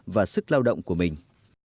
và sức lao động của mình